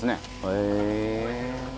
へえ。